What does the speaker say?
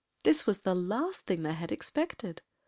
This was the last thing they had expected.